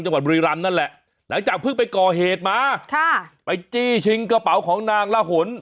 จังหวัดบริรันดร์นั่นแหละหลังจากเพิ่งไปก่อเหตุมาค่ะไปจี้ชิงกระเป๋าของนางล่าหน